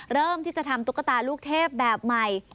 เริ่มที่จะทำตุ๊กตาลูกเทพแบบใหม่